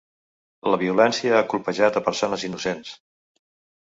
La violència ha colpejat a persones innocents.